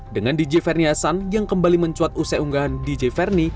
dengan dj verniasan yang kembali mencuat usai unggahan dj verni